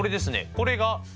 これがＡ。